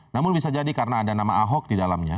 namun bisa jadi karena ada nama ahok di dalamnya